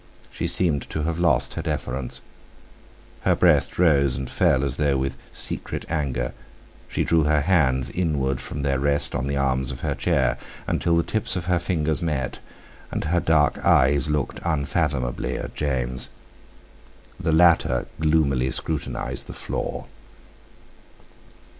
She seemed to have lost her deference. Her breast rose and fell as though with secret anger; she drew her hands inwards from their rest on the arms of her chair until the tips of her fingers met, and her dark eyes looked unfathomably at James. The latter gloomily scrutinized the floor.